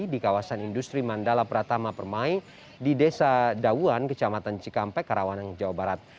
di kawasan industri mandala pratama permai di desa dawuan kecamatan cikampek karawang jawa barat